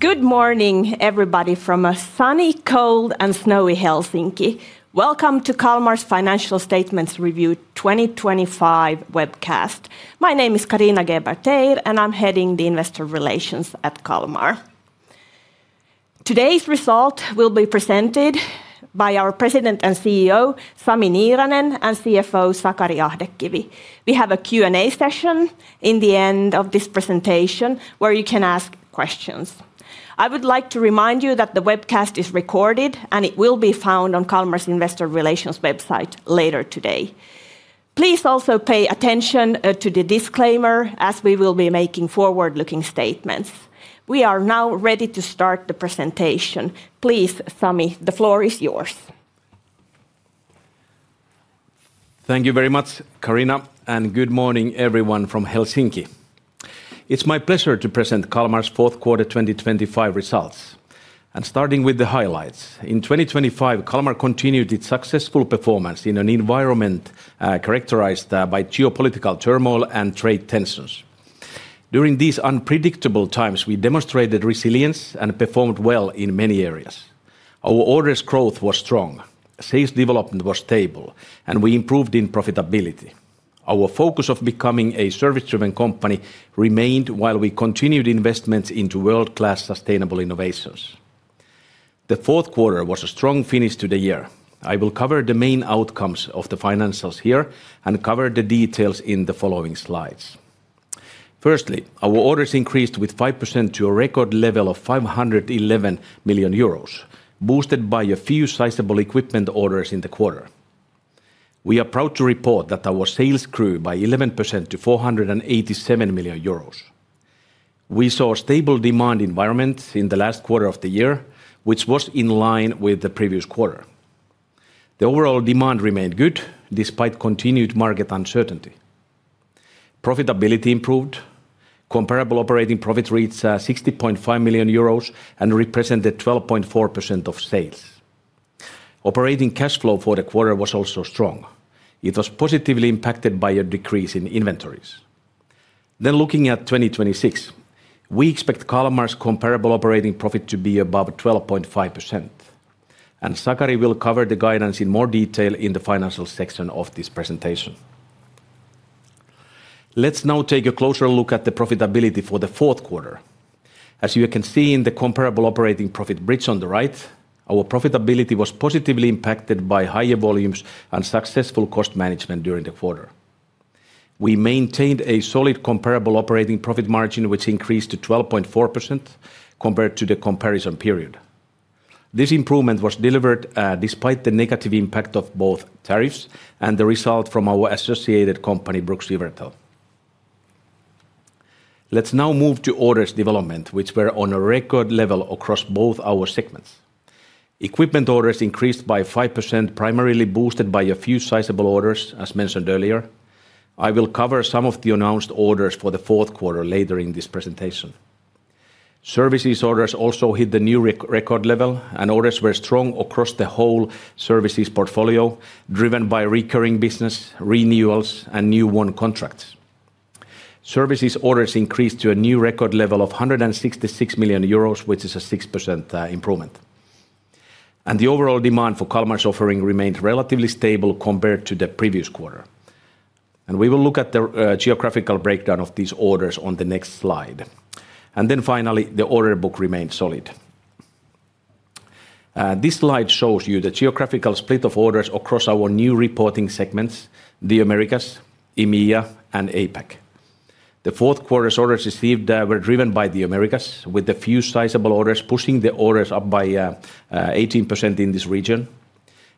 Good morning, everybody, from a sunny, cold, and snowy Helsinki. Welcome to Kalmar's financial statements review 2025 webcast. My name is Carina Geber-Teir, and I'm heading the Investor Relations at Kalmar. Today's result will be presented by our President and CEO, Sami Niiranen, and CFO, Sakari Ahdekivi. We have a Q&A session in the end of this presentation, where you can ask questions. I would like to remind you that the webcast is recorded, and it will be found on Kalmar's Investor Relations website later today. Please also pay attention to the disclaimer, as we will be making forward-looking statements. We are now ready to start the presentation. Please, Sami, the floor is yours. Thank you very much, Carina, and good morning, everyone from Helsinki. It's my pleasure to present Kalmar's fourth quarter 2025 results. Starting with the highlights, in 2025, Kalmar continued its successful performance in an environment characterized by geopolitical turmoil and trade tensions. During these unpredictable times, we demonstrated resilience and performed well in many areas. Our orders growth was strong, sales development was stable, and we improved in profitability. Our focus of becoming a service-driven company remained while we continued investments into world-class sustainable innovations. The fourth quarter was a strong finish to the year. I will cover the main outcomes of the financials here and cover the details in the following slides. Firstly, our orders increased with 5% to a record level of 511 million euros, boosted by a few sizable equipment orders in the quarter. We are proud to report that our sales grew by 11% to 487 million euros. We saw a stable demand environment in the last quarter of the year, which was in line with the previous quarter. The overall demand remained good, despite continued market uncertainty. Profitability improved, comparable operating profits reached 60.5 million euros and represented 12.4% of sales. Operating cash flow for the quarter was also strong. It was positively impacted by a decrease in inventories. Then looking at 2026, we expect Kalmar's comparable operating profit to be above 12.5%, and Sakari will cover the guidance in more detail in the financial section of this presentation. Let's now take a closer look at the profitability for the fourth quarter. As you can see in the comparable operating profit bridge on the right, our profitability was positively impacted by higher volumes and successful cost management during the quarter. We maintained a solid comparable operating profit margin, which increased to 12.4% compared to the comparison period. This improvement was delivered despite the negative impact of both tariffs and the result from our associated company, Bruks Siwertell. Let's now move to orders development, which were on a record level across both our segments. Equipment orders increased by 5%, primarily boosted by a few sizable orders, as mentioned earlier. I will cover some of the announced orders for the fourth quarter later in this presentation. Services orders also hit the new record level, and orders were strong across the whole services portfolio, driven by recurring business, renewals, and new won contracts. Services orders increased to a new record level of 166 million euros, which is a 6% improvement. The overall demand for Kalmar's offering remained relatively stable compared to the previous quarter. We will look at the geographical breakdown of these orders on the next slide. Then finally, the order book remained solid. This slide shows you the geographical split of orders across our new reporting segments, the Americas, EMEA, and APAC. The fourth quarter's orders received were driven by the Americas, with a few sizable orders pushing the orders up by 18% in this region.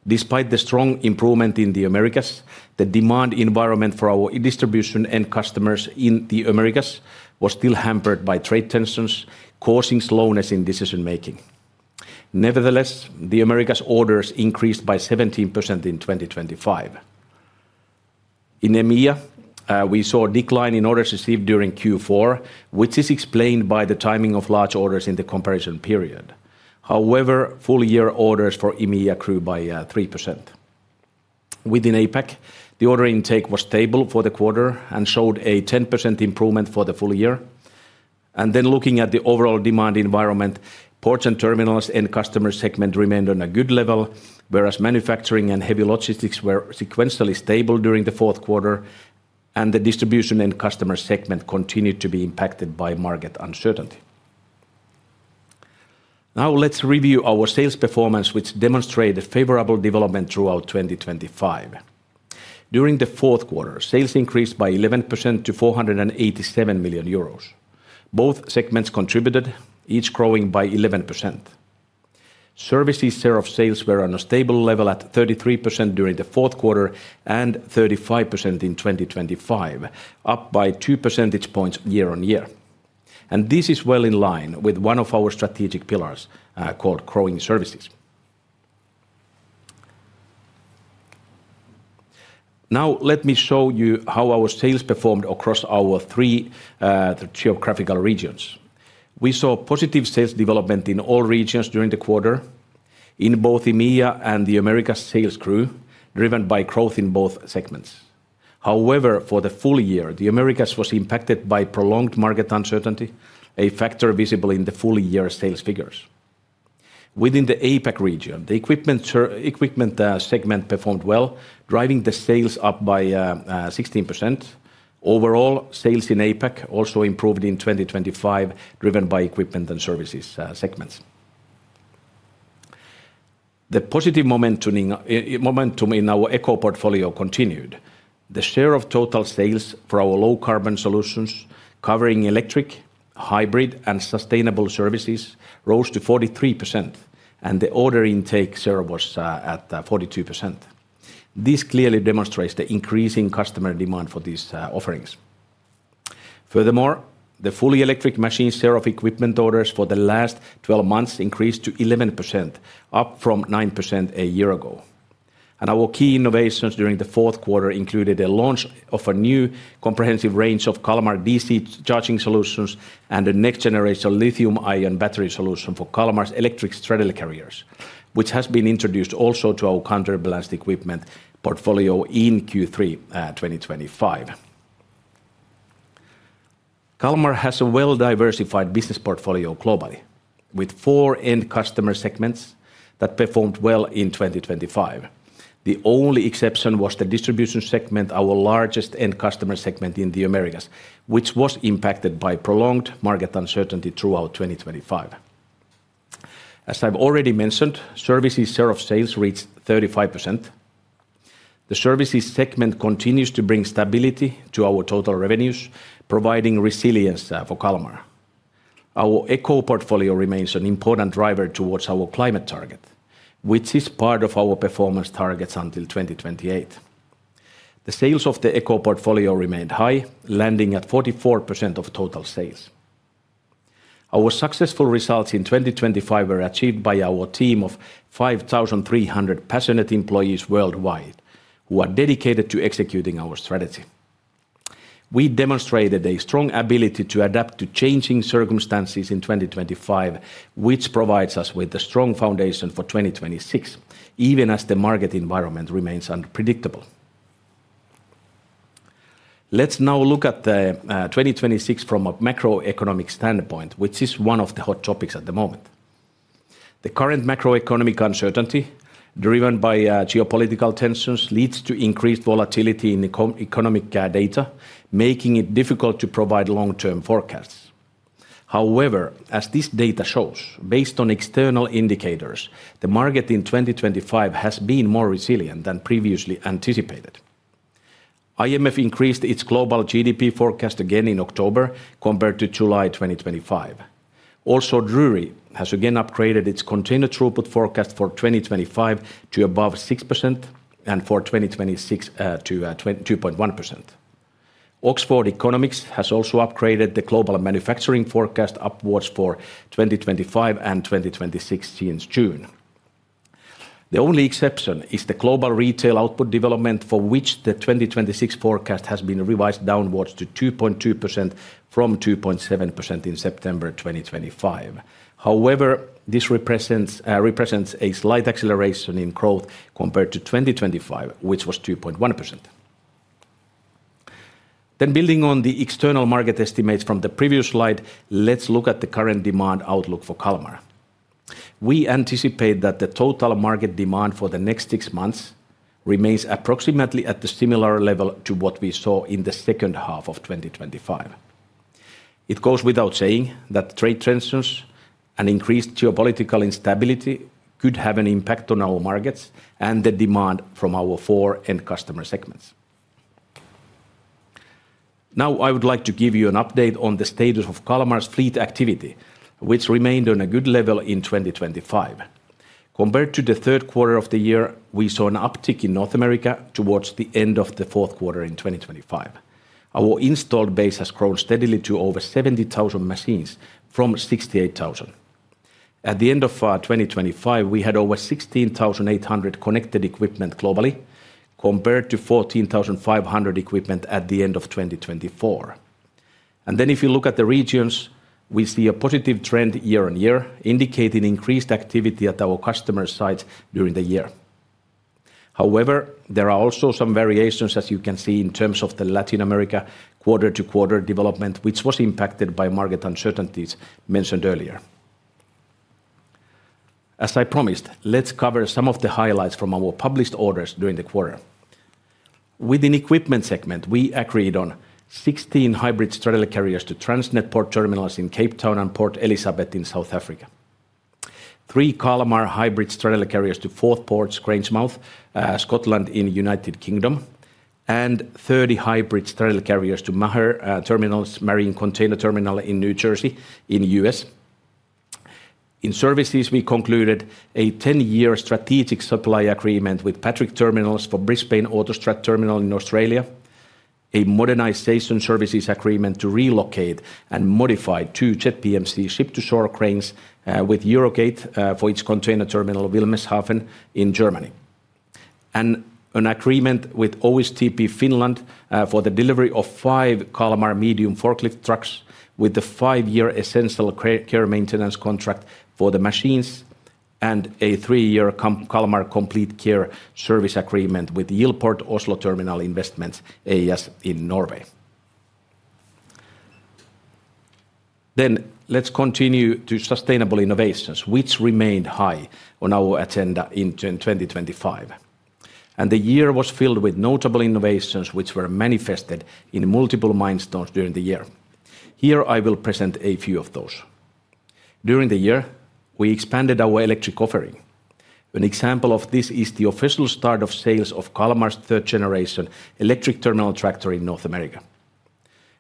Despite the strong improvement in the Americas, the demand environment for our distribution and customers in the Americas was still hampered by trade tensions, causing slowness in decision-making. Nevertheless, the Americas orders increased by 17% in 2025. In EMEA, we saw a decline in orders received during Q4, which is explained by the timing of large orders in the comparison period. However, full-year orders for EMEA grew by 3%. Within APAC, the order intake was stable for the quarter and showed a 10% improvement for the full year. Then looking at the overall demand environment, ports and terminals end customer segment remained on a good level, whereas manufacturing and heavy logistics were sequentially stable during the fourth quarter, and the distribution end customer segment continued to be impacted by market uncertainty. Now let's review our sales performance, which demonstrated favorable development throughout 2025. During the fourth quarter, sales increased by 11% to 487 million euros. Both segments contributed, each growing by 11%. Services share of sales were on a stable level at 33% during the fourth quarter and 35% in 2025, up by 2 percentage points year-on-year. This is well in line with one of our strategic pillars, called Growing Services. Now let me show you how our sales performed across our three geographical regions. We saw positive sales development in all regions during the quarter. In both EMEA and the Americas, sales grew, driven by growth in both segments. However, for the full year, the Americas was impacted by prolonged market uncertainty, a factor visible in the full year sales figures. Within the APAC region, the Equipment segment performed well, driving the sales up by 16%. Overall, sales in APAC also improved in 2025, driven by Equipment and Services segment. The positive momentum in our eco portfolio continued. The share of total sales for our low-carbon solutions, covering electric, hybrid, and sustainable services, rose to 43%, and the order intake share was at 42%. This clearly demonstrates the increasing customer demand for these offerings. Furthermore, the fully electric machine share of equipment orders for the last 12 months increased to 11%, up from 9% a year ago. And our key innovations during the fourth quarter included the launch of a new comprehensive range of Kalmar DC charging solutions and a next-generation lithium-ion battery solution for Kalmar's electric straddle carriers, which has been introduced also to our counterbalanced equipment portfolio in Q3 2025. Kalmar has a well-diversified business portfolio globally, with four end customer segments that performed well in 2025. The only exception was the distribution segment, our largest end customer segment in the Americas, which was impacted by prolonged market uncertainty throughout 2025. As I've already mentioned, services share of sales reached 35%. The Services segment continues to bring stability to our total revenues, providing resilience for Kalmar. Our eco portfolio remains an important driver towards our climate target, which is part of our performance targets until 2028. The sales of the eco portfolio remained high, landing at 44% of total sales. Our successful results in 2025 were achieved by our team of 5,300 passionate employees worldwide, who are dedicated to executing our strategy. We demonstrated a strong ability to adapt to changing circumstances in 2025, which provides us with a strong foundation for 2026, even as the market environment remains unpredictable. Let's now look at the 2026 from a macroeconomic standpoint, which is one of the hot topics at the moment. The current macroeconomic uncertainty, driven by geopolitical tensions, leads to increased volatility in economic data, making it difficult to provide long-term forecasts. However, as this data shows, based on external indicators, the market in 2025 has been more resilient than previously anticipated. IMF increased its global GDP forecast again in October compared to July 2025. Also, Drewry has again upgraded its container throughput forecast for 2025 to above 6% and for 2026 to 2.1%. Oxford Economics has also upgraded the global manufacturing forecast upwards for 2025 and 2026 since June. The only exception is the global retail output development, for which the 2026 forecast has been revised downwards to 2.2% from 2.7% in September 2025. However, this represents a slight acceleration in growth compared to 2025, which was 2.1%. Building on the external market estimates from the previous slide, let's look at the current demand outlook for Kalmar. We anticipate that the total market demand for the next six months remains approximately at the similar level to what we saw in the second half of 2025. It goes without saying that trade tensions and increased geopolitical instability could have an impact on our markets and the demand from our four end customer segments. Now, I would like to give you an update on the status of Kalmar's fleet activity, which remained on a good level in 2025. Compared to the third quarter of the year, we saw an uptick in North America towards the end of the fourth quarter in 2025. Our installed base has grown steadily to over 70,000 machines from 68,000. At the end of 2025, we had over 16,800 connected equipment globally, compared to 14,500 equipment at the end of 2024. And then, if you look at the regions, we see a positive trend year on year, indicating increased activity at our customer sites during the year. However, there are also some variations, as you can see, in terms of the Latin America quarter-to-quarter development, which was impacted by market uncertainties mentioned earlier. As I promised, let's cover some of the highlights from our published orders during the quarter. Within Equipment segment, we agreed on 16 hybrid straddle carriers to Transnet Port Terminals in Cape Town and Port Elizabeth in South Africa, 3 Kalmar hybrid straddle carriers to Forth Ports Grangemouth, Scotland in United Kingdom, and 30 hybrid straddle carriers to Maher Terminals Marine Container Terminal in New Jersey, in the U.S.. In services, we concluded a 10-year strategic supply agreement with Patrick Terminals for Brisbane AutoStrad Terminal in Australia, a modernization services agreement to relocate and modify two ZPMC Ship-to-Shore cranes with Eurogate for its container terminal, Wilhelmshaven, in Germany. And an agreement with OSTP Finland for the delivery of five Kalmar medium forklift trucks, with the five-year Essential Care maintenance contract for the machines, and a three-year Kalmar Complete Care service agreement with Yilport Oslo Terminal Investments AS in Norway. Then, let's continue to sustainable innovations, which remained high on our agenda in 2025. And the year was filled with notable innovations, which were manifested in multiple milestones during the year. Here, I will present a few of those. During the year, we expanded our electric offering. An example of this is the official start of sales of Kalmar's third generation electric terminal tractor in North America.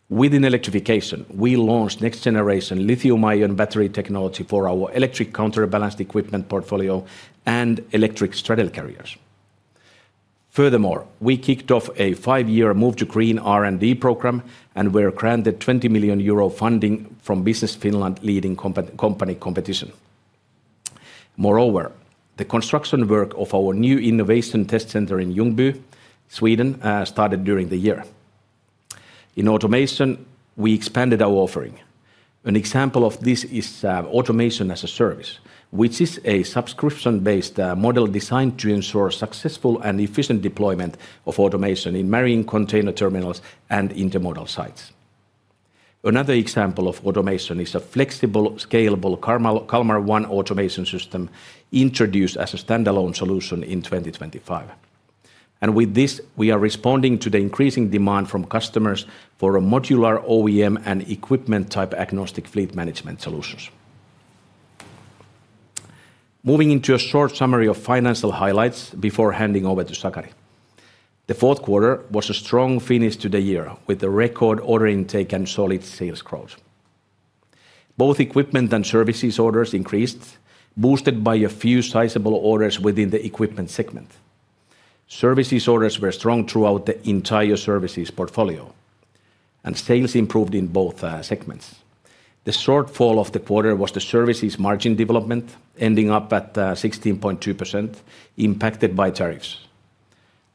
Within electrification, we launched next generation lithium-ion battery technology for our electric counterbalanced equipment portfolio and electric straddle carriers. Furthermore, we kicked off a five-year Move2Green R&D program, and were granted 20 million euro funding from Business Finland Leading Company Competition. Moreover, the construction work of our new innovation test center in Ljungby, Sweden, started during the year. In automation, we expanded our offering. An example of this is Automation as a Service, which is a subscription-based model designed to ensure successful and efficient deployment of automation in marine container terminals and intermodal sites. Another example of automation is a flexible, scalable Kalmar One automation system, introduced as a standalone solution in 2025. And with this, we are responding to the increasing demand from customers for a modular OEM and equipment-type agnostic fleet management solutions. Moving into a short summary of financial highlights before handing over to Sakari. The fourth quarter was a strong finish to the year, with a record order intake and solid sales growth. Both equipment and services orders increased, boosted by a few sizable orders within the Equipment segment. Services orders were strong throughout the entire services portfolio, and sales improved in both segments. The shortfall of the quarter was the services margin development, ending up at 16.2%, impacted by tariffs.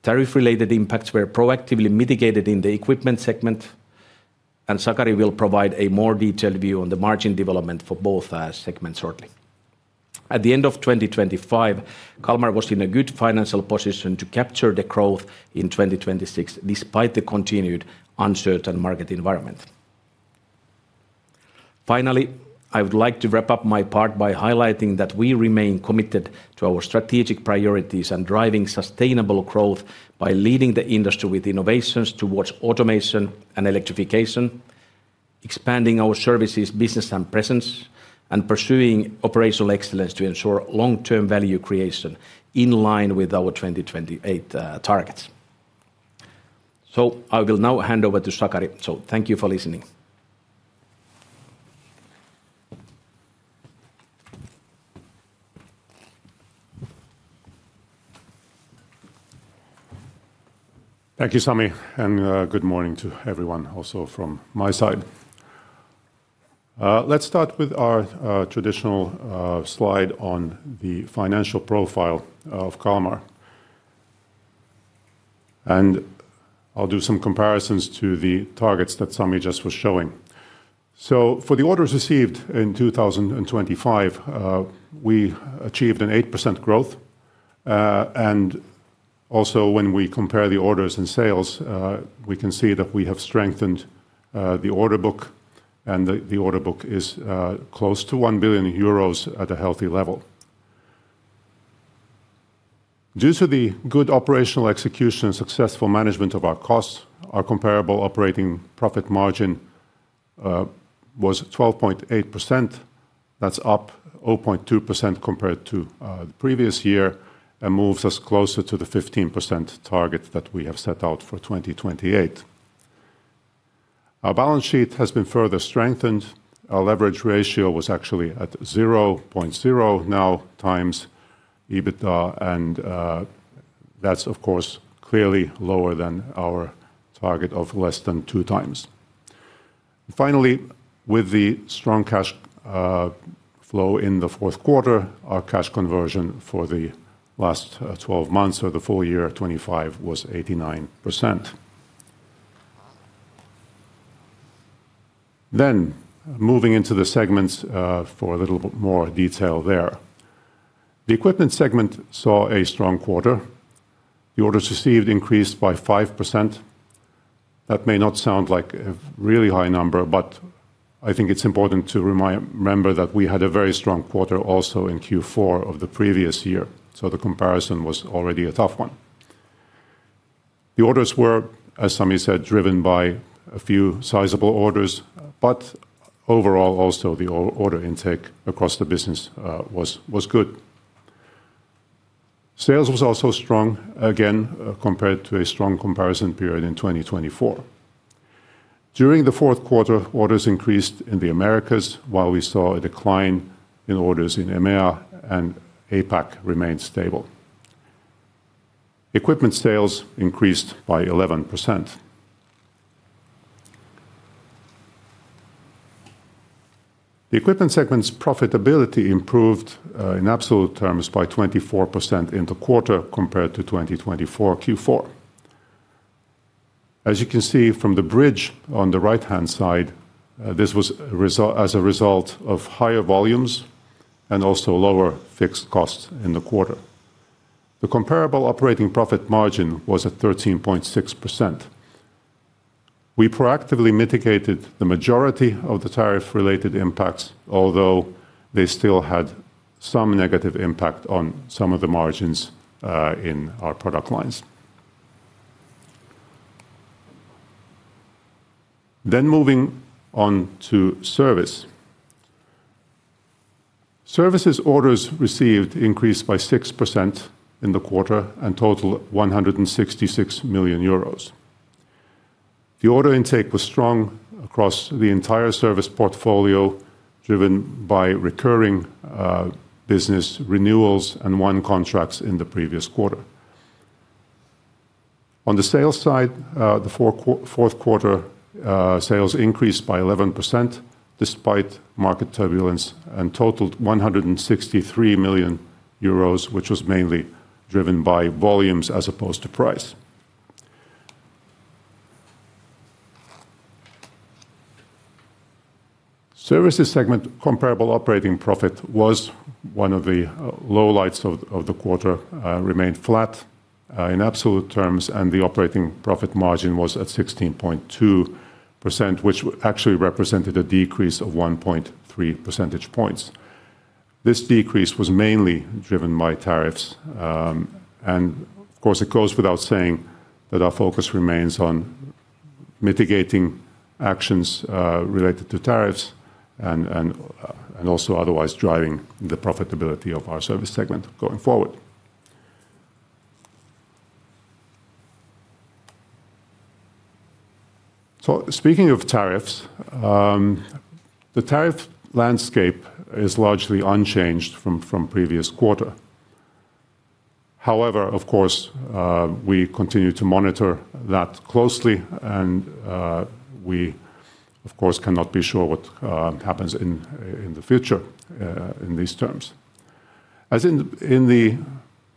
Tariff-related impacts were proactively mitigated in the Equipment segment, and Sakari will provide a more detailed view on the margin development for both segments shortly. At the end of 2025, Kalmar was in a good financial position to capture the growth in 2026, despite the continued uncertain market environment. Finally, I would like to wrap up my part by highlighting that we remain committed to our strategic priorities and driving sustainable growth by leading the industry with innovations towards automation and electrification, expanding our services, business, and presence, and pursuing operational excellence to ensure long-term value creation in line with our 2028 targets. So I will now hand over to Sakari, so thank you for listening. Thank you, Sami, and good morning to everyone also from my side. Let's start with our traditional slide on the financial profile of Kalmar. I'll do some comparisons to the targets that Sami just was showing. For the orders received in 2025, we achieved an 8% growth. And also, when we compare the orders and sales, we can see that we have strengthened the order book, and the order book is close to 1 billion euros at a healthy level. Due to the good operational execution and successful management of our costs, our comparable operating profit margin was 12.8%. That's up 0.2% compared to the previous year and moves us closer to the 15% target that we have set out for 2028. Our balance sheet has been further strengthened. Our leverage ratio was actually at 0.0 now x EBITDA, and, that's, of course, clearly lower than our target of less than 2x. Finally, with the strong cash flow in the fourth quarter, our cash conversion for the last twelve months or the full year of 2025 was 89%. Then, moving into the segments, for a little bit more detail there. The Equipment segment saw a strong quarter. The orders received increased by 5%. That may not sound like a really high number, but I think it's important to remember that we had a very strong quarter also in Q4 of the previous year, so the comparison was already a tough one. The orders were, as Sami said, driven by a few sizable orders, but overall, also the order intake across the business was good. Sales was also strong, again, compared to a strong comparison period in 2024. During the fourth quarter, orders increased in the Americas, while we saw a decline in orders in EMEA, and APAC remained stable. Equipment sales increased by 11%. The Equipment segment's profitability improved in absolute terms by 24% in the quarter compared to 2024 Q4. As you can see from the bridge on the right-hand side, this was a result of higher volumes and also lower fixed costs in the quarter. The comparable operating profit margin was at 13.6%. We proactively mitigated the majority of the tariff-related impacts, although they still had some negative impact on some of the margins in our product lines. Then moving on to Service. Services orders received increased by 6% in the quarter and totaled 166 million euros. The order intake was strong across the entire service portfolio, driven by recurring business renewals and won contracts in the previous quarter. On the sales side, the fourth quarter sales increased by 11% despite market turbulence and totaled 163 million euros, which was mainly driven by volumes as opposed to price. Services segment comparable operating profit was one of the lowlights of the quarter, remained flat in absolute terms, and the operating profit margin was at 16.2%, which actually represented a decrease of 1.3 percentage points. This decrease was mainly driven by tariffs, and of course, it goes without saying that our focus remains on mitigating actions related to tariffs and also otherwise driving the profitability of our Service segment going forward. So speaking of tariffs, the tariff landscape is largely unchanged from previous quarter. However, of course, we continue to monitor that closely and we, of course, cannot be sure what happens in the future in these terms. As in, in the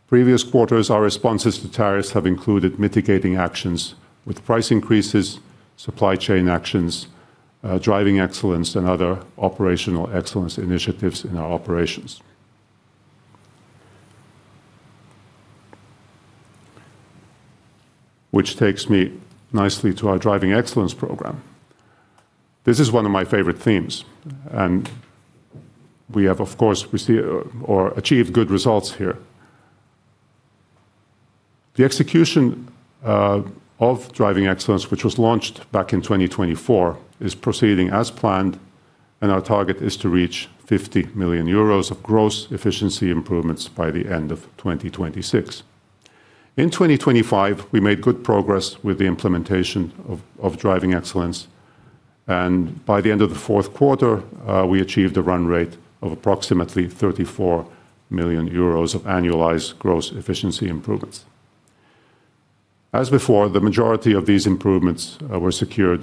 previous quarters, our responses to tariffs have included mitigating actions with price increases, supply chain actions, driving excellence, and other operational excellence initiatives in our operations. Which takes me nicely to our Driving Excellence program. This is one of my favorite themes, and we have, of course, we've achieved good results here. The execution of Driving Excellence, which was launched back in 2024, is proceeding as planned, and our target is to reach 50 million euros of gross efficiency improvements by the end of 2026. In 2025, we made good progress with the implementation of Driving Excellence, and by the end of the fourth quarter, we achieved a run rate of approximately 34 million euros of annualized gross efficiency improvements. As before, the majority of these improvements were secured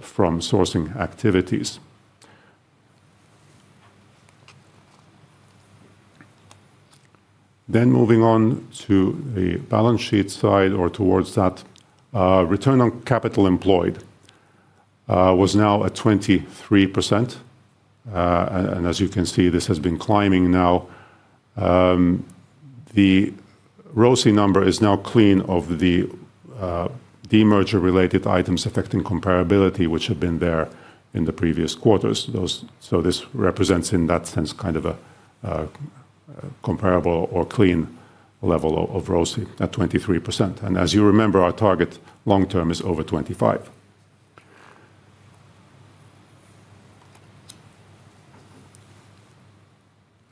from sourcing activities. Then moving on to the balance sheet side or towards that, return on capital employed was now at 23%. And as you can see, this has been climbing now. The ROCE number is now clean of the demerger-related items affecting comparability, which had been there in the previous quarters. So this represents, in that sense, kind of a comparable or clean level of ROCE at 23%. And as you remember, our target long term is over 25.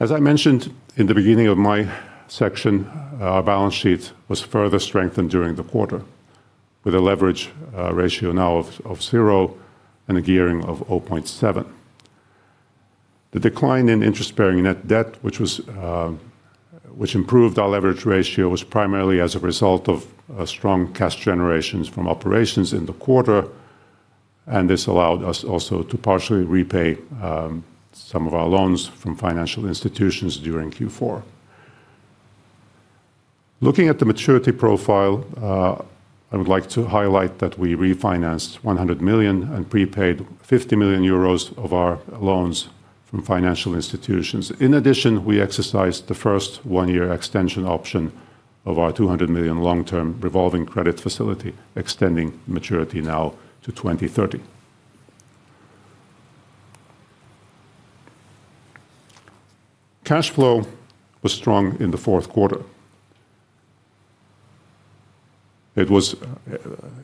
As I mentioned in the beginning of my section, our balance sheet was further strengthened during the quarter, with a leverage ratio now of zero and a gearing of 0.7. The decline in interest-bearing net debt, which was, which improved our leverage ratio, was primarily as a result of strong cash generations from operations in the quarter, and this allowed us also to partially repay some of our loans from financial institutions during Q4. Looking at the maturity profile, I would like to highlight that we refinanced 100 million and prepaid 50 million euros of our loans from financial institutions. In addition, we exercised the first one-year extension option of our 200 million long-term revolving credit facility, extending maturity now to 2030. Cash flow was strong in the fourth quarter. It was,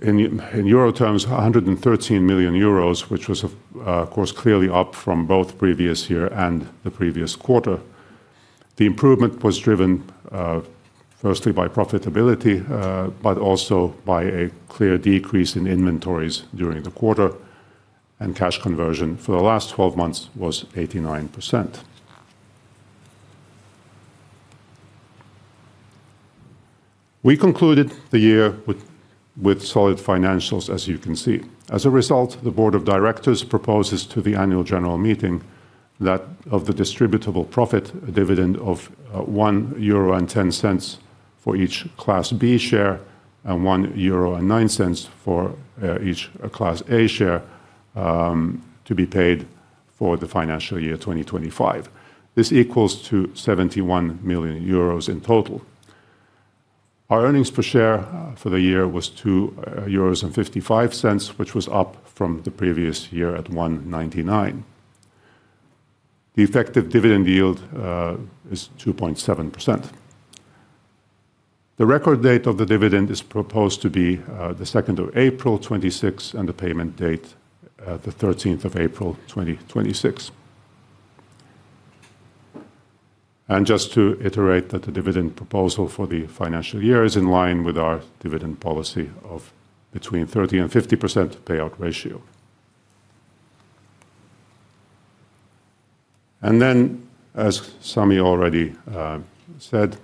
in euro terms, 113 million euros, which was, of course, clearly up from both previous year and the previous quarter. The improvement was driven, firstly by profitability, but also by a clear decrease in inventories during the quarter, and cash conversion for the last 12 months was 89%. We concluded the year with solid financials, as you can see. As a result, the board of directors proposes to the annual general meeting that of the distributable profit, a dividend of 1.10 euro for each Class B share and 1.09 euro for each Class A share, to be paid for the financial year 2025. This equals 71 million euros in total. Our earnings per share for the year was 2.55 euros, which was up from the previous year at 1.99. The effective dividend yield is 2.7%. The record date of the dividend is proposed to be the second of April 2026, and the payment date the thirteenth of April 2026. And just to iterate, that the dividend proposal for the financial year is in line with our dividend policy of between 30%-50% payout ratio. And then, as Sami already said,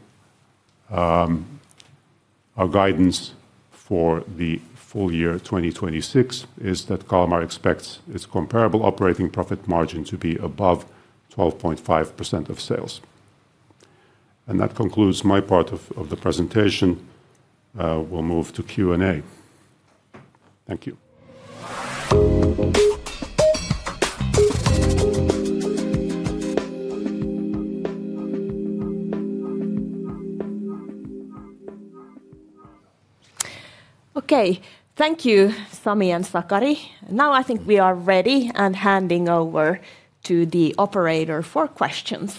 our guidance for the full year 2026 is that Kalmar expects its comparable operating profit margin to be above 12.5% of sales. And that concludes my part of the presentation. We'll move to Q&A. Thank you. Okay, thank you, Sami and Sakari. Now, I think we are ready and handing over to the operator for questions.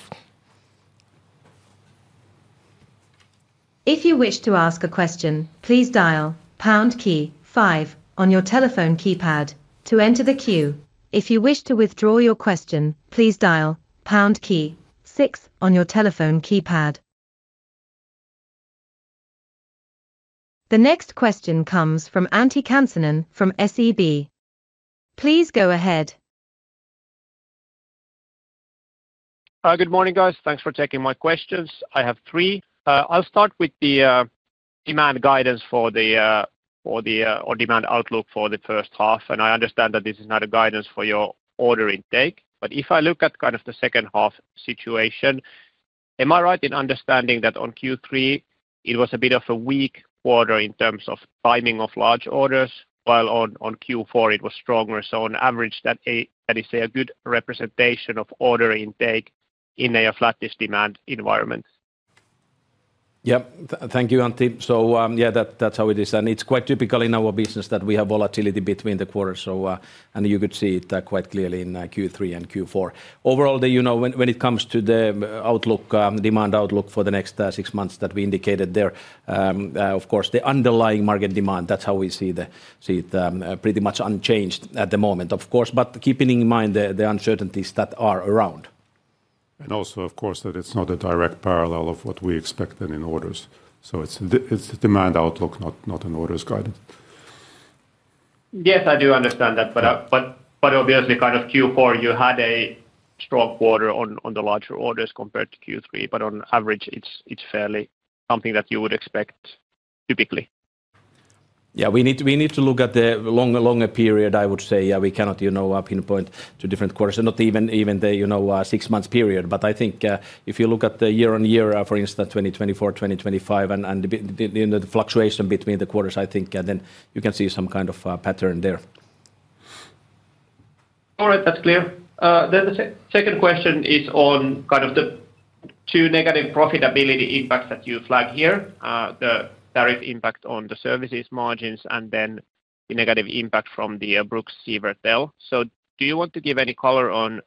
If you wish to ask a question, please dial pound key five on your telephone keypad to enter the queue. If you wish to withdraw your question, please dial pound key six on your telephone keypad. The next question comes from Antti Kansanen from SEB. Please go ahead. Good morning, guys. Thanks for taking my questions. I have three. I'll start with the demand guidance for the, or demand outlook for the first half, and I understand that this is not a guidance for your order intake. But if I look at kind of the second half situation, am I right in understanding that on Q3, it was a bit of a weak quarter in terms of timing of large orders, while on Q4 it was stronger? So on average, that is a good representation of order intake in a flattish demand environment. Yeah. Thank you, Antti. So, yeah, that, that's how it is, and it's quite typical in our business that we have volatility between the quarters. So, and you could see it, quite clearly in Q3 and Q4. Overall, the, you know, when, when it comes to the outlook, demand outlook for the next six months that we indicated there, of course, the underlying market demand, that's how we see it, pretty much unchanged at the moment, of course, but keeping in mind the uncertainties that are around. Also, of course, that it's not a direct parallel of what we expected in orders. So it's a demand outlook, not an orders guidance. Yes, I do understand that. Yeah. But obviously, kind of Q4, you had a strong quarter on the larger orders compared to Q3, but on average, it's fairly something that you would expect typically. Yeah, we need to look at the longer period, I would say. Yeah, we cannot, you know, pinpoint to different quarters and not even the six months period. But I think if you look at the year on year, for instance, 2024, 2025, and the fluctuation between the quarters, I think then you can see some kind of pattern there. All right. That's clear. Then the second question is on kind of the two negative profitability impacts that you flag here. The direct impact on the services margins, and then the negative impact from the Bruks Siwertell. So do you want to give any color on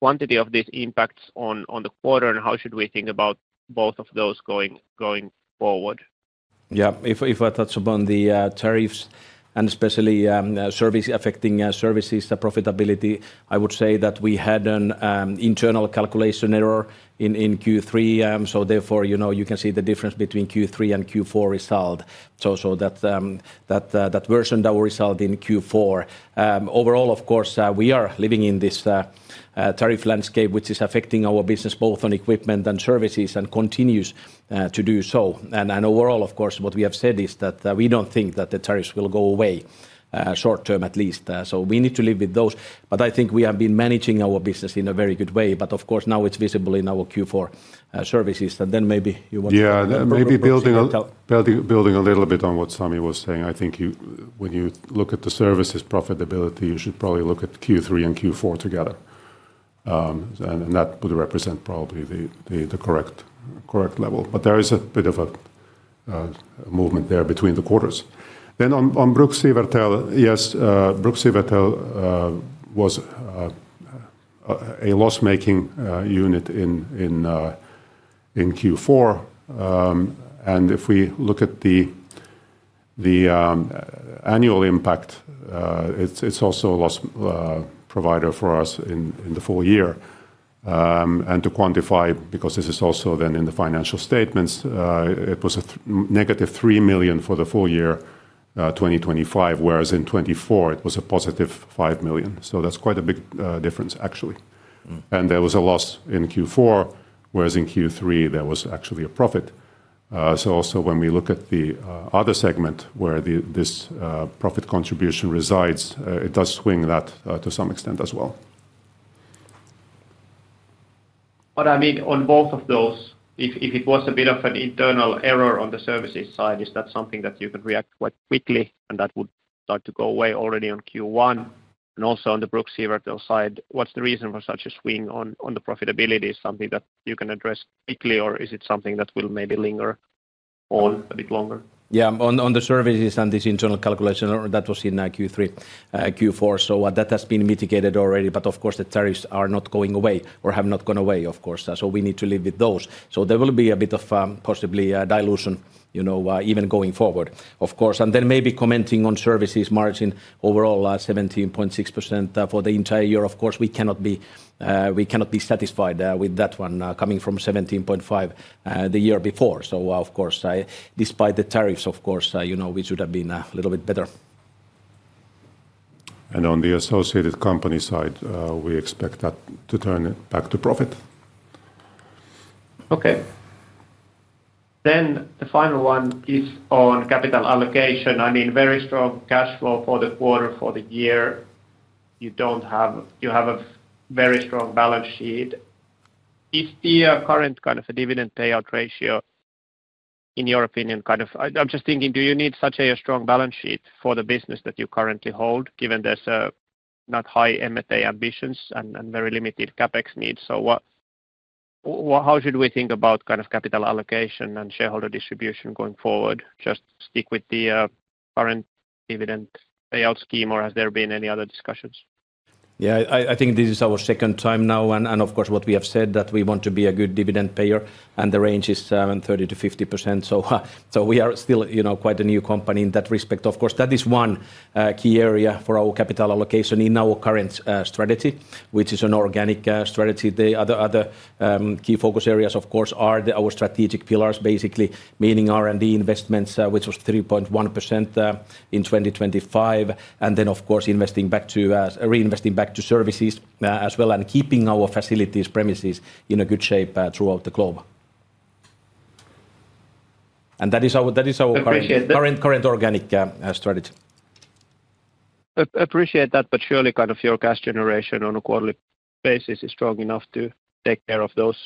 quantity of these impacts on the quarter, and how should we think about both of those going forward? Yeah. If I touch upon the tariffs, and especially services-affecting services profitability, I would say that we had an internal calculation error in Q3, so therefore, you know, you can see the difference between Q3 and Q4 resolved. So that version that we resolved in Q4. Overall, of course, we are living in this tariff landscape, which is affecting our business both on equipment and services and continues to do so. And overall, of course, what we have said is that we don't think that the tariffs will go away short term at least. So we need to live with those, but I think we have been managing our business in a very good way. But of course, now it's visible in our Q4 services. And then maybe you want to- Yeah, maybe building a little bit on what Sami was saying, I think you when you look at the services profitability, you should probably look at Q3 and Q4 together. And that would represent probably the correct level. But there is a bit of a movement there between the quarters. Then on Bruks Siwertell, yes, Bruks Siwertell was a loss-making unit in Q4. And if we look at the annual impact, it's also a loss provider for us in the full year. And to quantify, because this is also then in the financial statements, it was a negative 3 million for the full year, 2025, whereas in 2024, it was a positive 5 million. So that's quite a big difference, actually. And there was a loss in Q4, whereas in Q3, there was actually a profit. So also when we look at the other segment where this profit contribution resides, it does swing that to some extent as well. But I mean, on both of those, if it was a bit of an internal error on the services side, is that something that you can react quite quickly, and that would start to go away already on Q1? And also on the Bruks side, what's the reason for such a swing on the profitability? Is something that you can address quickly, or is it something that will maybe linger on a bit longer? Yeah, on the services and this internal calculation that was in Q3, Q4, so that has been mitigated already, but of course, the tariffs are not going away or have not gone away, of course. So we need to live with those. So there will be a bit of, possibly a dilution, you know, even going forward, of course. And then maybe commenting on services margin overall, 17.6% for the entire year, of course, we cannot be, we cannot be satisfied with that one, coming from 17.5%, the year before. So of course, despite the tariffs, of course, you know, we should have been a little bit better. On the associated company side, we expect that to turn back to profit. Okay. Then the final one is on capital allocation. I mean, very strong cash flow for the quarter, for the year. You have a very strong balance sheet. Is the current kind of a dividend payout ratio, in your opinion, kind of—I'm just thinking, do you need such a strong balance sheet for the business that you currently hold, given there's not high M&A ambitions and very limited CapEx needs? So what, how should we think about kind of capital allocation and shareholder distribution going forward? Just stick with the current dividend payout scheme, or has there been any other discussions? Yeah, I think this is our second time now, and of course, what we have said, that we want to be a good dividend payer, and the range is 30%-50%. So we are still, you know, quite a new company in that respect. Of course, that is one key area for our capital allocation in our current strategy, which is an organic strategy. The other key focus areas, of course, are our strategic pillars, basically, meaning R&D investments, which was 3.1% in 2025, and then, of course, investing back to reinvesting back to services as well, and keeping our facilities premises in a good shape throughout the globe. And that is our, that is our- Appreciate that. Current organic strategy. Appreciate that, but surely, kind of your cash generation on a quarterly basis is strong enough to take care of those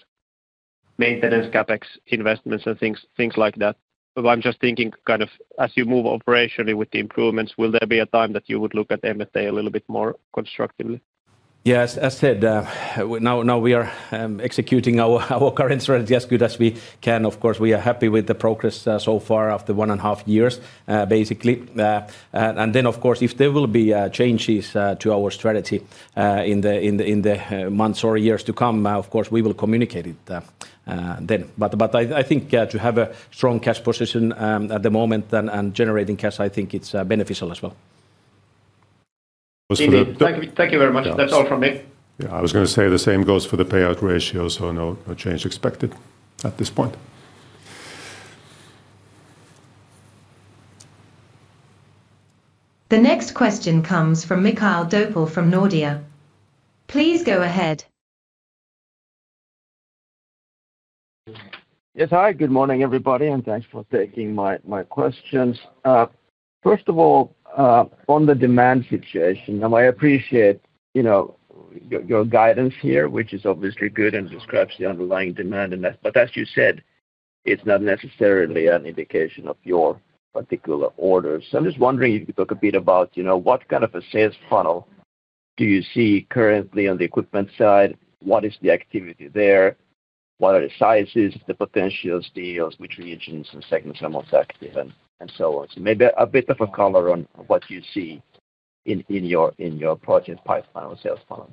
maintenance CapEx investments and things, things like that. But I'm just thinking, kind of, as you move operationally with the improvements, will there be a time that you would look at M&A a little bit more constructively? Yes. As said, now we are executing our current strategy as good as we can. Of course, we are happy with the progress so far after 1.5 years, basically. And then, of course, if there will be changes to our strategy in the months or years to come, of course, we will communicate it then. But I think to have a strong cash position at the moment and generating cash, I think it's beneficial as well. Was the- Thank you. Thank you very much. Yeah. That's all from me. Yeah, I was gonna say the same goes for the payout ratio, so no, no change expected at this point. The next question comes from Mikael Doepel, from Nordea. Please go ahead. Yes, hi, good morning, everybody, and thanks for taking my questions. First of all, on the demand situation, and I appreciate, you know, your guidance here, which is obviously good and describes the underlying demand and that. But as you said, it's not necessarily an indication of your particular orders. So I'm just wondering if you could talk a bit about, you know, what kind of a sales funnel do you see currently on the equipment side? What is the activity there? What are the sizes, the potential deals, which regions and segments are most active and so on. So maybe a bit of a color on what you see in your project pipeline or sales funnel.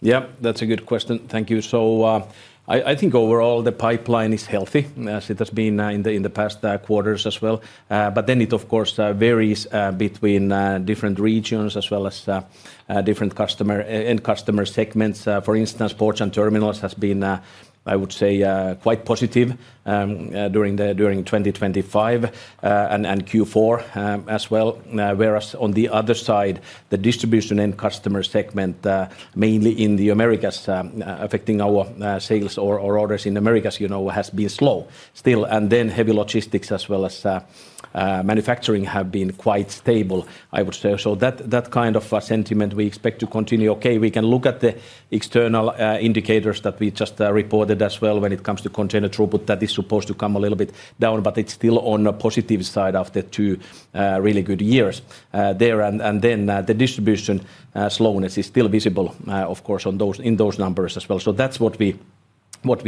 Yeah, that's a good question. Thank you. So, I think overall, the pipeline is healthy, as it has been in the past quarters as well. But then it of course varies between different regions as well as different customer end customer segments. For instance, ports and terminals has been, I would say, quite positive during 2025 and Q4 as well. Whereas on the other side, the distribution end customer segment mainly in the Americas affecting our sales or orders in Americas, you know, has been slow still, and then heavy logistics as well as manufacturing have been quite stable, I would say. So that kind of a sentiment we expect to continue. Okay, we can look at the external indicators that we just reported as well when it comes to container throughput. That is supposed to come a little bit down, but it's still on a positive side after 2 really good years there. And then the distribution slowness is still visible, of course, in those numbers as well. So that's what we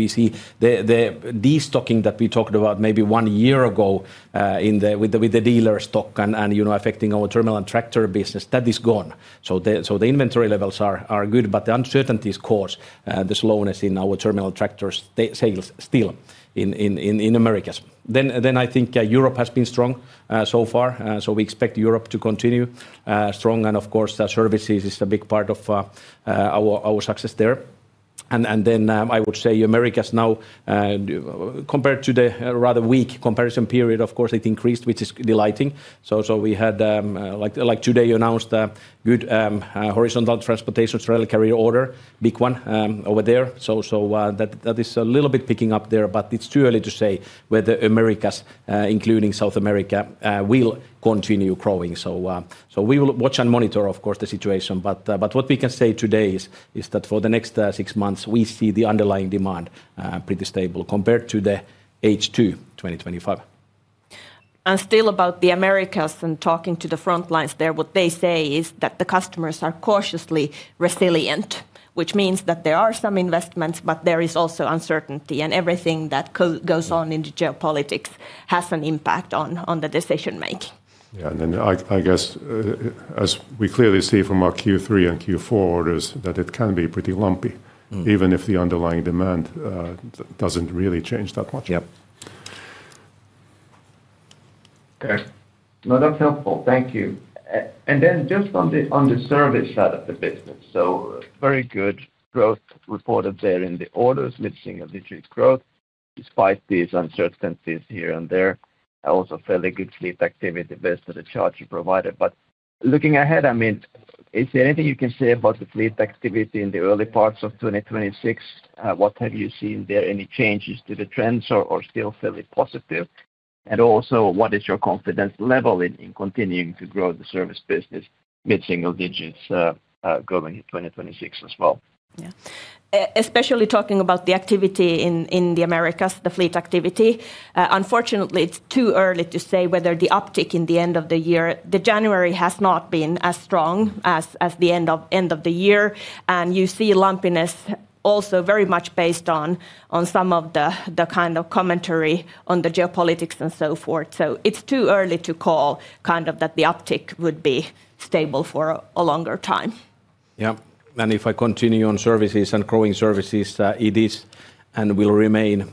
see. The destocking that we talked about maybe 1 year ago, in the with the dealer stock and, you know, affecting our terminal and tractor business, that is gone. So the inventory levels are good, but the uncertainties cause the slowness in our terminal tractors sales still in Americas. Then I think Europe has been strong so far. So we expect Europe to continue strong, and of course, the services is a big part of our success there. And then I would say Americas now compared to the rather weak comparison period, of course it increased, which is delighting. So we had like today announced a good horizontal transportation trailer carrier order, big one over there. So that is a little bit picking up there, but it's too early to say whether Americas including South America will continue growing. So we will watch and monitor, of course, the situation. But what we can say today is that for the next six months, we see the underlying demand pretty stable compared to the H2 2025. Still about the Americas and talking to the front lines there, what they say is that the customers are cautiously resilient, which means that there are some investments, but there is also uncertainty. Everything that goes on in the geopolitics has an impact on the decision-making. Yeah, and then I guess, as we clearly see from our Q3 and Q4 orders, that it can be pretty lumpy- Mm -even if the underlying demand doesn't really change that much. Yep. Okay. No, that's helpful. Thank you. And then just on the service side of the business, so very good growth reported there in the orders, mid-single-digit growth, despite these uncertainties here and there. Also, fairly good fleet activity based on the charts you provided. But looking ahead, I mean, is there anything you can say about the fleet activity in the early parts of 2026? What have you seen there? Any changes to the trends or still fairly positive? And also, what is your confidence level in continuing to grow the service business mid-single digits going in 2026 as well? Yeah. Especially talking about the activity in the Americas, the fleet activity, unfortunately, it's too early to say whether the uptick in the end of the year. January has not been as strong as the end of the year. And you see lumpiness also very much based on some of the kind of commentary on the geopolitics and so forth. So it's too early to call, kind of, that the uptick would be stable for a longer time. Yeah. And if I continue on services and growing services, it is and will remain,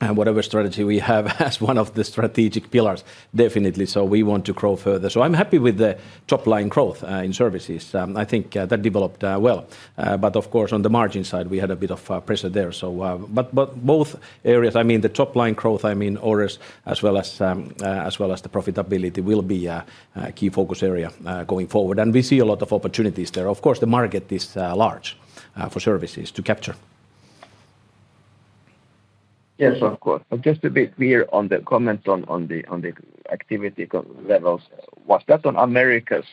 whatever strategy we have, as one of the strategic pillars, definitely. So we want to grow further. So I'm happy with the top-line growth in services. I think that developed well. But of course, on the margin side, we had a bit of pressure there. So, but, but both areas, I mean, the top-line growth, I mean, orders as well as, as well as the profitability, will be a, a key focus area, going forward, and we see a lot of opportunities there. Of course, the market is large for services to capture. Yes, of course. Just to be clear on the comment on the activity levels, was that on Americas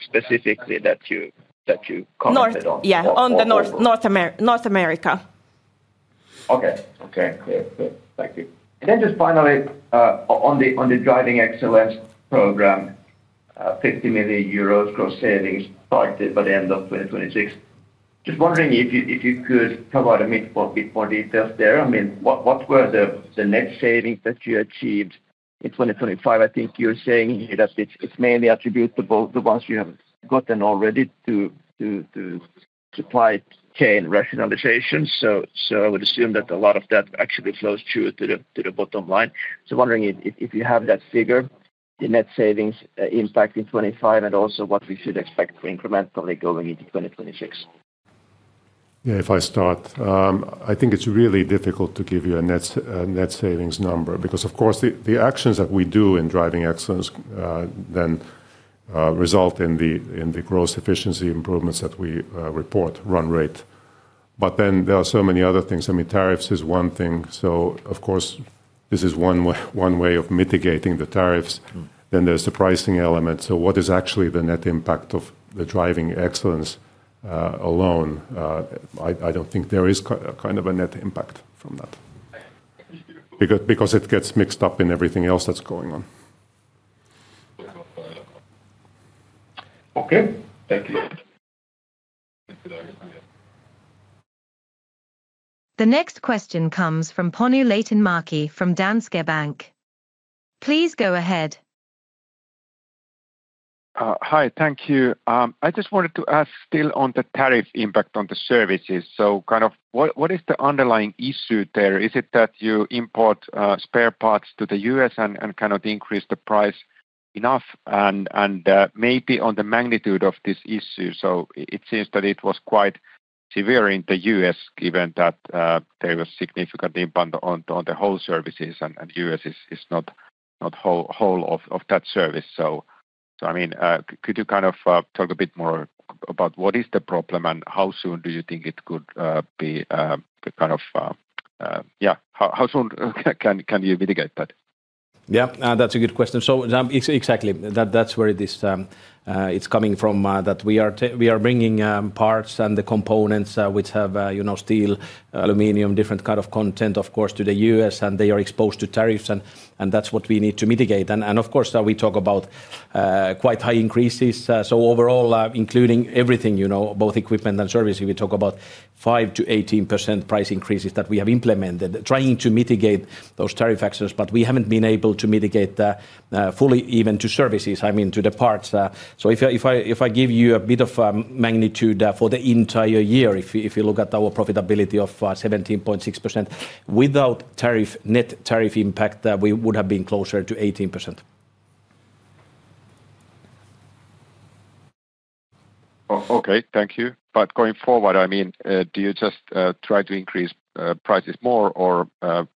specifically that you commented on? North. Yeah, on the North- Or, or- North America. Okay. Okay, good. Good. Thank you. And then just finally, on the Driving Excellence program, 50 million euros gross savings targeted by the end of 2026. Just wondering if you could provide a bit more details there. I mean, what were the net savings that you achieved in 2025? I think you're saying here that it's mainly attributable, the ones you have gotten already, to supply chain rationalization. So I would assume that a lot of that actually flows through to the bottom line. So wondering if you have that figure, the net savings impact in 2025, and also what we should expect incrementally going into 2026. Yeah, if I start. I think it's really difficult to give you a net savings number because, of course, the actions that we do in Driving Excellence then result in the gross efficiency improvements that we report run rate. But then there are so many other things. I mean, tariffs is one thing. So of course, this is one way of mitigating the tariffs. Mm. Then there's the pricing element. So what is actually the net impact of the Driving Excellence alone? I don't think there is kind of a net impact from that- Okay -because it gets mixed up in everything else that's going on. Okay. Thank you. The next question comes from Panu Laitinmäki from Danske Bank. Please go ahead. Hi. Thank you. I just wanted to ask, still on the tariff impact on the services, so kind of what is the underlying issue there? Is it that you import spare parts to the U.S. and cannot increase the price enough? And maybe on the magnitude of this issue, so it seems that it was quite severe in the U.S., given that there was significant impact on the whole services, and U.S. is not the whole of that service. So, I mean, could you kind of talk a bit more about what is the problem, and how soon do you think it could be kind of—yeah, how soon can you mitigate that? Yeah, that's a good question. So, exactly, that's where it is, it's coming from, that we are bringing parts and the components, which have, you know, steel, aluminum, different kind of content, of course, to the U.S., and they are exposed to tariffs, and that's what we need to mitigate. And, of course, we talk about quite high increases. So overall, including everything, you know, both equipment and services, we talk about 5%-18% price increases that we have implemented, trying to mitigate those tariff actions. But we haven't been able to mitigate the fully even to services, I mean, to the parts. So if I give you a bit of magnitude for the entire year, if you look at our profitability of 17.6%, without tariff net tariff impact, we would have been closer to 18%. Okay, thank you. But going forward, I mean, do you just try to increase prices more or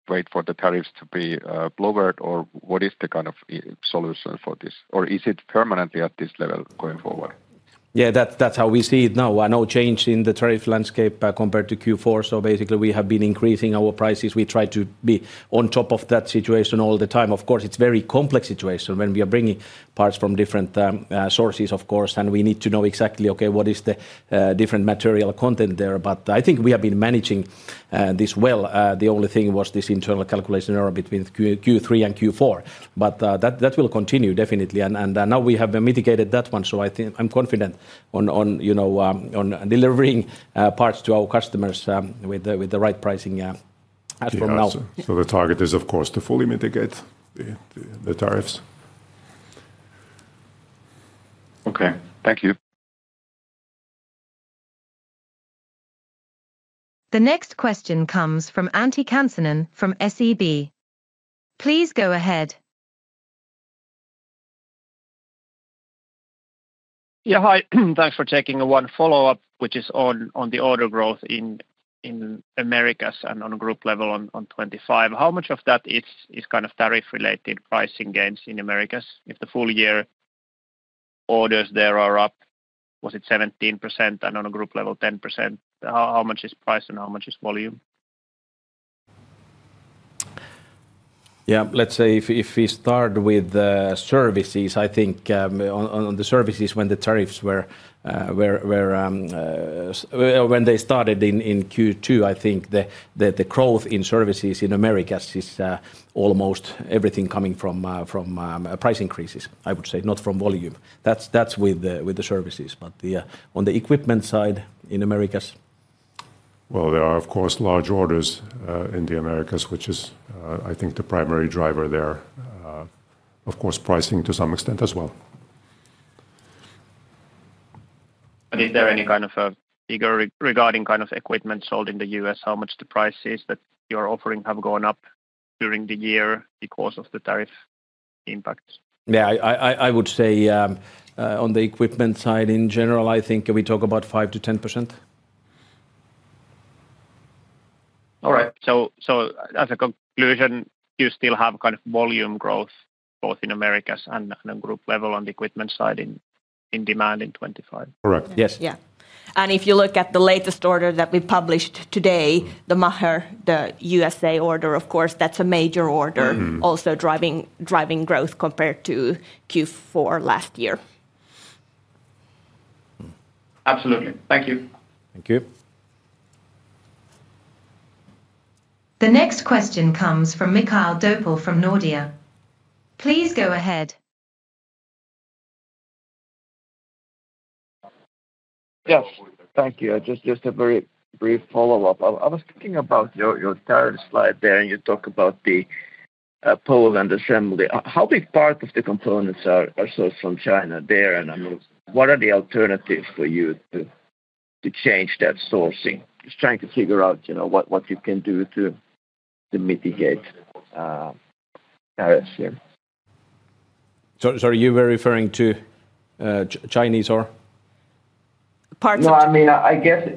wait for the tariffs to be lowered, or what is the kind of solution for this? Or is it permanently at this level going forward? Yeah, that's, that's how we see it now. No change in the tariff landscape, compared to Q4, so basically we have been increasing our prices. We try to be on top of that situation all the time. Of course, it's very complex situation when we are bringing parts from different sources, of course, and we need to know exactly, okay, what is the different material content there? But I think we have been managing this well. The only thing was this internal calculation error between Q3 and Q4, but that will continue definitely. And now we have mitigated that one, so I think I'm confident on, on, you know, on delivering parts to our customers with the right pricing, yeah, as from now. Yeah. So the target is, of course, to fully mitigate the tariffs. Okay. Thank you. The next question comes from Antti Kansanen from SEB. Please go ahead. Yeah, hi. Thanks for taking one follow-up, which is on the order growth in Americas and on a group level on 2025. How much of that is kind of tariff-related pricing gains in Americas? If the full year orders there are up, was it 17%, and on a group level, 10%? How much is price and how much is volume? Yeah, let's say if we start with the services, I think, on the services, when the tariffs were, when they started in Q2, I think the growth in services in Americas is almost everything coming from price increases, I would say, not from volume. That's with the services. But... On the equipment side in Americas? Well, there are, of course, large orders in the Americas, which is, I think, the primary driver there. Of course, pricing to some extent as well. Is there any kind of a figure regarding kind of equipment sold in the U.S., how much the prices that you're offering have gone up during the year because of the tariff impacts? Yeah, I would say on the equipment side in general, I think we talk about 5%-10%. All right. So, as a conclusion, you still have kind of volume growth both in Americas and group level on the equipment side in demand in 2025? Correct, yes. Yeah. If you look at the latest order that we published today, the Maher, the U.S.A order, of course, that's a major order- Mm-hmm -also driving growth compared to Q4 last year. Absolutely. Thank you. Thank you. The next question comes from Mikael Doepel from Nordea. Please go ahead. Yes, thank you. Just a very brief follow-up. I was thinking about your third slide there, and you talk about the Poland assembly. How big part of the components are sourced from China there? And, I mean, what are the alternatives for you to change that sourcing? Just trying to figure out, you know, what you can do to mitigate tariffs, yeah. So, you were referring to Chinese or- Parts. No, I mean, I guess.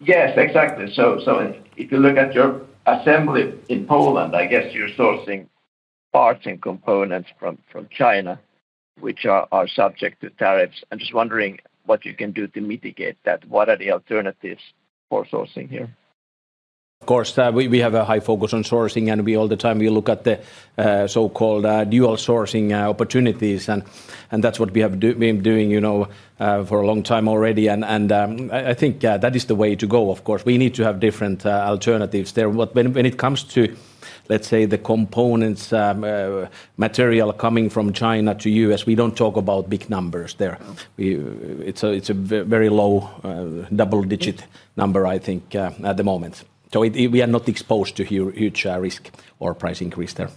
Yes, exactly. So if you look at your assembly in Poland, I guess you're sourcing parts and components from China, which are subject to tariffs, I'm just wondering what you can do to mitigate that. What are the alternatives for sourcing here? Of course, we have a high focus on sourcing, and we all the time, we look at the so-called dual sourcing opportunities, and I think, yeah, that is the way to go, of course. We need to have different alternatives there. When it comes to, let's say, the components, material coming from China to U.S., we don't talk about big numbers there. It's a very low double-digit number, I think, at the moment. So it, we are not exposed to huge risk or price increase there.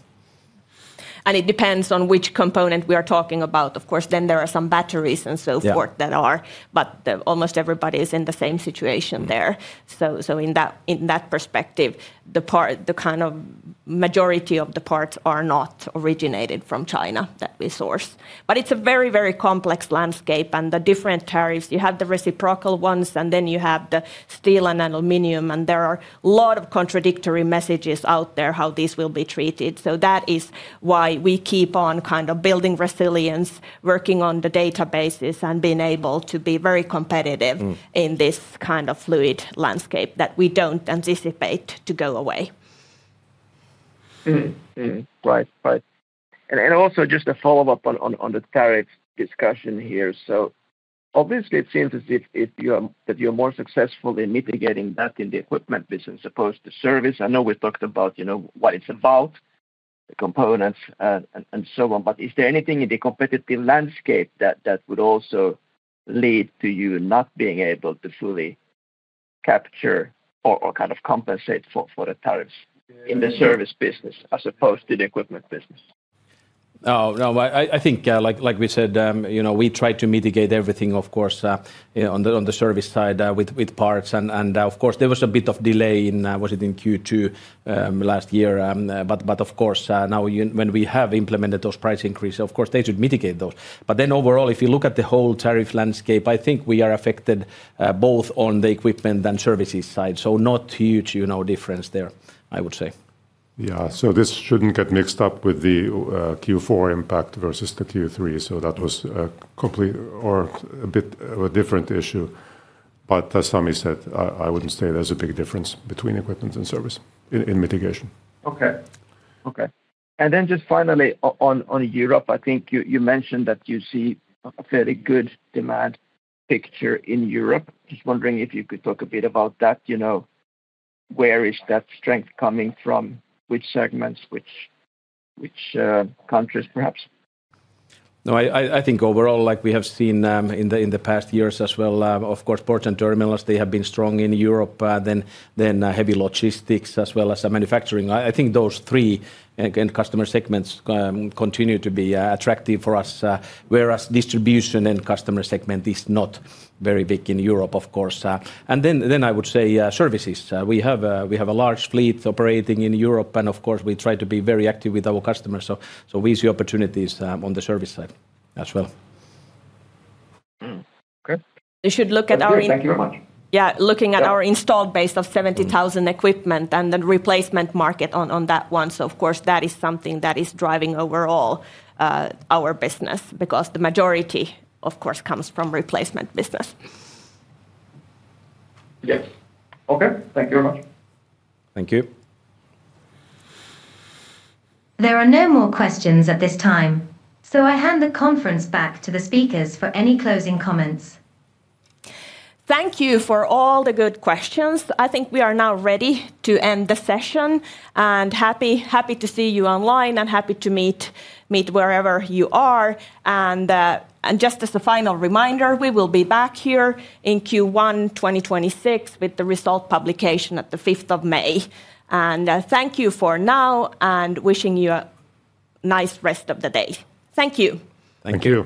It depends on which component we are talking about. Of course, then there are some batteries and so forth- Yeah -that are, but almost everybody is in the same situation there. So, so in that, in that perspective, the part, the kind of majority of the parts are not originated from China that we source. But it's a very, very complex landscape, and the different tariffs, you have the reciprocal ones, and then you have the steel and aluminum, and there are a lot of contradictory messages out there, how these will be treated. So that is why we keep on kind of building resilience, working on the databases, and being able to be very competitive- Mm -in this kind of fluid landscape that we don't anticipate to go away. Mm-hmm. Mm-hmm. Right. Right. And also just a follow-up on the tariff discussion here. So obviously, it seems as if you're more successful in mitigating that in the equipment business as opposed to service. I know we talked about, you know, what it's about, the components and so on, but is there anything in the competitive landscape that would also lead to you not being able to fully capture or kind of compensate for the tariffs in the service business as opposed to the equipment business? ... Oh, no, I think, like we said, you know, we try to mitigate everything, of course, you know, on the service side, with parts. And of course, there was a bit of delay in—was it in Q2 last year? But of course, now when we have implemented those price increase, of course, they should mitigate those. But then overall, if you look at the whole tariff landscape, I think we are affected, both on the equipment and services side. So not huge, you know, difference there, I would say. Yeah. So this shouldn't get mixed up with the Q4 impact versus the Q3. So that was complete or a bit of a different issue. But as Sami said, I wouldn't say there's a big difference between equipment and service in mitigation. Okay. Okay. And then just finally, on, on Europe, I think you, you mentioned that you see a fairly good demand picture in Europe. Just wondering if you could talk a bit about that. You know, where is that strength coming from? Which segments, which, which countries perhaps? No, I think overall, like we have seen, in the past years as well, of course, ports and terminals, they have been strong in Europe, then heavy logistics as well as manufacturing. I think those three, again, customer segments, continue to be attractive for us, whereas distribution and customer segment is not very big in Europe, of course. And then I would say, services. We have a large fleet operating in Europe, and of course, we try to be very active with our customers. So we see opportunities on the service side as well. Mm. Okay. You should look at our- Thank you very much. Yeah, looking at our installed base of 70,000 equipment and the replacement market on that one. So of course, that is something that is driving overall our business, because the majority, of course, comes from replacement business. Yeah. Okay. Thank you very much. Thank you. There are no more questions at this time, so I hand the conference back to the speakers for any closing comments. Thank you for all the good questions. I think we are now ready to end the session, and happy, happy to see you online, and happy to meet, meet wherever you are. And, and just as a final reminder, we will be back here in Q1 2026 with the result publication at the 5th of May. And, thank you for now, and wishing you a nice rest of the day. Thank you. Thank you.